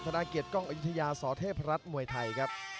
นาเกียรติกล้องอยุธยาสเทพรัฐมวยไทยครับ